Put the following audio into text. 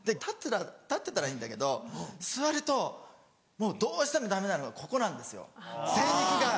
で立ってたらいいんだけど座るともうどうしてもダメなのがここなんですよぜい肉が。